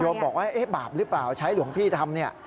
บอกว่าบาปหรือเปล่าใช้หลวงพี่ทำเนี่ย